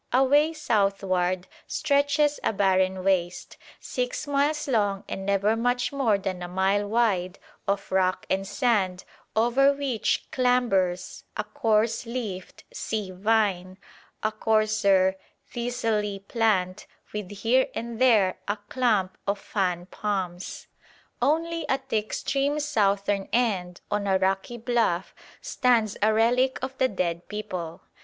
Away southward stretches a barren waste, six miles long and never much more than a mile wide, of rock and sand, over which clambers a coarse leafed sea vine, a coarser thistly plant, with here and there a clump of fan palms. Only at the extreme southern end on a rocky bluff stands a relic of the dead people.